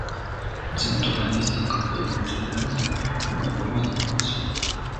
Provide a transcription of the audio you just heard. Por esta razón el acento balístico puede considerarse una forma de fonación.